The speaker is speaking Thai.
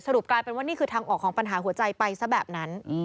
กลายเป็นว่านี่คือทางออกของปัญหาหัวใจไปซะแบบนั้น